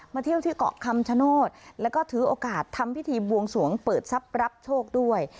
เที่ยวที่เกาะคำชโนธแล้วก็ถือโอกาสทำพิธีบวงสวงเปิดทรัพย์รับโชคด้วย